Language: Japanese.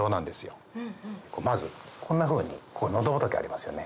まずこんなふうにここ喉仏ありますよね。